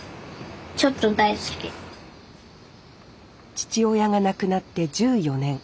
父親が亡くなって１４年。